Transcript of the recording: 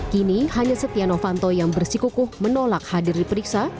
kini hanya setia novanto yang bersikukuh menolak hadir diperiksa